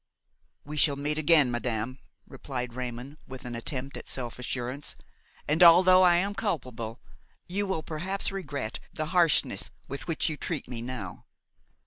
"We shall meet again, madame," replied Raymon with an attempt at self assurance; "and although I am culpable, you will perhaps regret the harshness with which you treat me now."